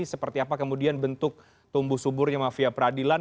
seperti apa kemudian bentuk tumbuh suburnya mafia peradilan